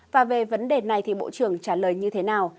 và về vấn đề này thì bộ trưởng trả lời như thế nào